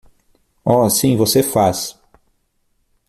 Oh sim você faz!